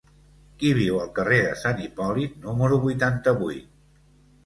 Qui viu al carrer de Sant Hipòlit número vuitanta-vuit?